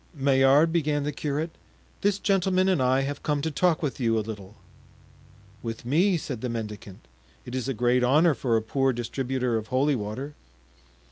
"Maillard," began the curate, "this gentleman and I have come to talk with you a little." "With me!" said the mendicant; "it is a great honor for a poor distributor of holy water."